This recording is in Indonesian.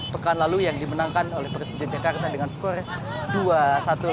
pekan lalu yang dimenangkan oleh persija jakarta dengan skor dua satu lewat dua gol